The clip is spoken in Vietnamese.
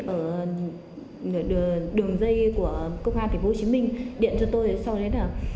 ở đường dây của công an tỉnh hồ chí minh điện cho tôi sau đấy là